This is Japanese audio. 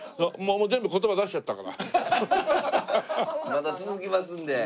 まだ続きますんで。